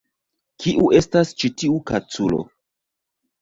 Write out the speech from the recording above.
Kiu estas ĉi tiu kaculo?